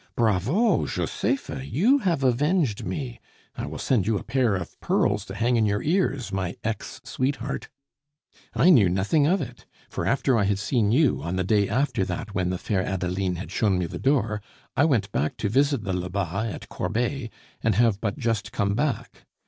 Bravo, Josepha, you have avenged me! I will send you a pair of pearls to hang in your ears, my ex sweetheart! I knew nothing of it; for after I had seen you, on the day after that when the fair Adeline had shown me the door, I went back to visit the Lebas, at Corbeil, and have but just come back.